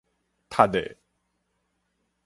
窒咧